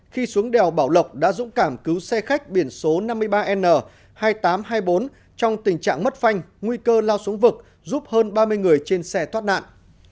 khi xuống đèo bảo lộc đã dũng cảm cứu xe khách biển số năm mươi ba n hai nghìn tám trăm hai mươi bốn trong tình trạng mất phanh nguy cơ lao xuống vực giúp hơn ba mươi người trên xe thoát nạn